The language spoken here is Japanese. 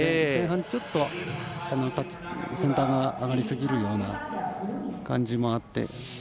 前半、ちょっと先端が上がりすぎるような感じもあって。